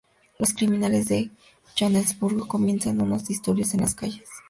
Los criminales de Johannesburgo comienzan unos disturbios en las calles.